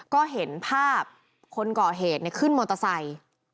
ก็เห็นภาพคนก่อเหตุขึ้นมอเตอร์ไซค์